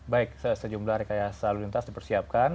baik sejumlah rekayasa lalu lintas dipersiapkan